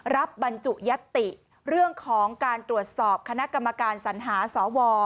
บรรจุยัตติเรื่องของการตรวจสอบคณะกรรมการสัญหาสว